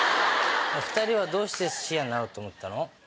２人はどうして寿司屋になろうと思ったの？